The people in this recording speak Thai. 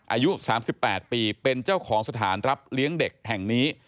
อายุ๓๘ปีเป็นเจ้าของสถานรับเลี้ยงเด็กแห่งนี้